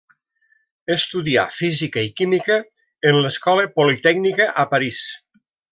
Estudià física i química en l'Escola politècnica a París.